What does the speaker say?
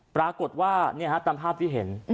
ปรากฏว่าตามภาพที่เห็น